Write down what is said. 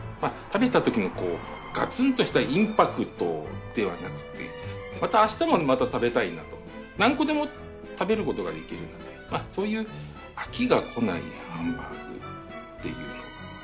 食べた時のガツンとしたインパクトではなくてまたあしたもまた食べたいなと何個でも食べることができるなとまあそういう飽きがこないハンバーグっていうのを目指してますね。